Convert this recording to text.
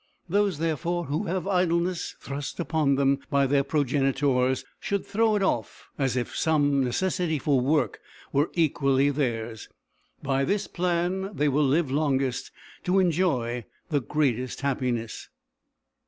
Those, therefore, who have idleness thrust upon them, by their progenitors, should throw it off as if some necessity for work were equally theirs. By this plan they will live longest to enjoy the greatest happiness.